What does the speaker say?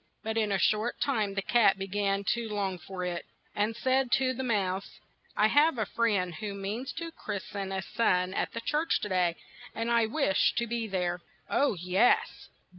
But in a short time the cat be gan to long for it, and he said to the mouse, "I have a friend who means to christ en a son at the church to day, and I wish to be there." "Oh, yes